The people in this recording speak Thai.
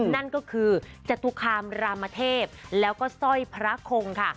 นั่นก็คือจตุคามรามเทพแล้วก็สร้อยพระคงค่ะ